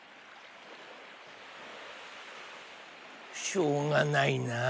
しょうがないな。